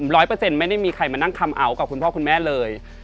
ร้อยเปอร์เซ็นต์ไม่ได้มีใครมานั่งคัมเอาท์กับคุณพ่อคุณแม่เลย